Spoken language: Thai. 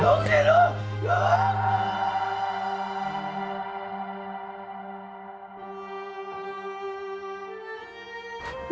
ลูกสิลูกลูก